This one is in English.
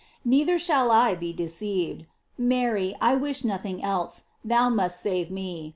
Neither shall I be deceived. Mary, I wish nothing else ; thou must save me.